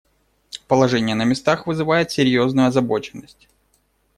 Положение на местах вызывает серьезную озабоченность.